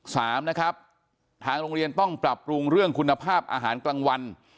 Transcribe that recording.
สามนะครับทางโรงเรียนต้องปรับปรุงเรื่องคุณภาพอาหารกลางวัน